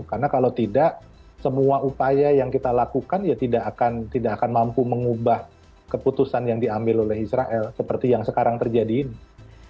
karena kalau tidak semua upaya yang kita lakukan ya tidak akan mampu mengubah keputusan yang diambil oleh israel seperti yang sekarang terjadi ini